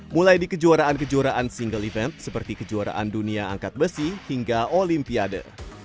mulai di kejuaraan kejuaraan single event seperti kejuaraan dunia angkat besi hingga olimpiade